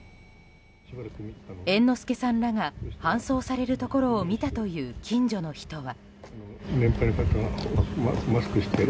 猿之助さんらが搬送されるところを見たという近所の人は。